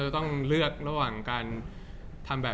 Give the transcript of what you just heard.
จากความไม่เข้าจันทร์ของผู้ใหญ่ของพ่อกับแม่